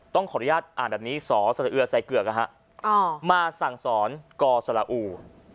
ต้องขออนุญาตอ่านแบบนี้สอสระเอือใส่เกือกมาสั่งสอนกสละอู